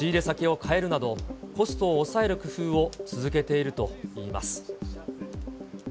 仕入れ先を変えるなど、コストを抑える工夫を続けているといいます。